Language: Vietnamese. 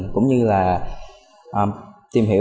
cũng như là tìm hiểu